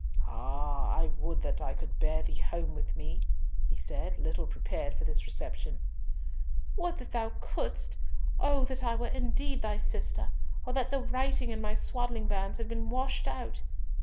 "Ah I would that I could bear thee home with me," he said, little prepared for this reception. "Would that thou couldst! O that I were indeed thy sister, or that the writing in my swaddling bands had been washed out!